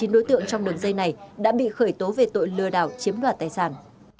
chín đối tượng trong đường dây này đã bị khởi tố về tội lừa đảo chiếm đoạt tài sản